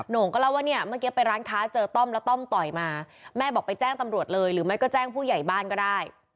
่งก็เล่าว่าเนี่ยเมื่อกี้ไปร้านค้าเจอต้อมแล้วต้อมต่อยมาแม่บอกไปแจ้งตำรวจเลยหรือไม่ก็แจ้งผู้ใหญ่บ้านก็ได้